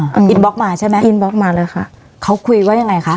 อินบล็อกมาใช่ไหมอินบล็อกมาเลยค่ะเขาคุยว่ายังไงคะ